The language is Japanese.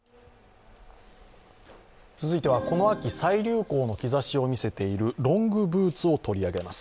続いては、この秋再流行の兆しを見せているロングブーツを取り上げます。